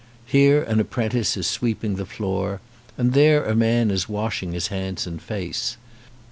Here an apprentice is sweeping the floor, and there a man is washing his hands and face.